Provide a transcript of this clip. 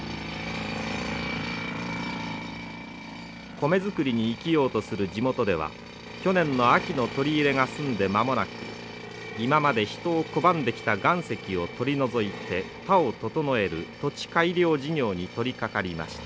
米作りに生きようとする地元では去年の秋の取り入れが済んで間もなく今まで人を拒んできた岩石を取り除いて田を整える土地改良事業に取りかかりました。